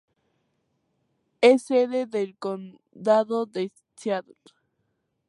Es sede del condado de St.